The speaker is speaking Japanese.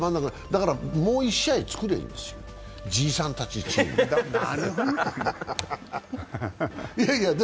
だから、もう１試合作ればいいんですよ、じいさんたちチームで。